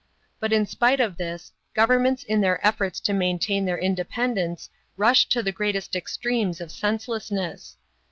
But in spite of this, governments in their efforts to maintain their independence rush to the greatest extremes of senselessness.